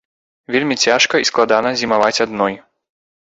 Вельмі цяжка і складана зімаваць адной.